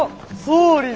総理。